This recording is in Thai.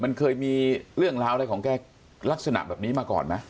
มันเคยมีเรื่องราวอะไรของแกลักษณะแบบนี้มาก่อนไหม